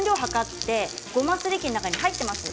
ごますり機に入っています。